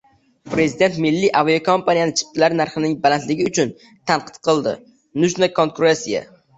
Prezident milliy aviakompaniyani chiptalar narxining balandligi uchun tanqid qildi? Нужна конкуренция